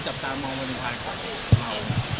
ใจบังวลเราต้องการความสุขของคุณ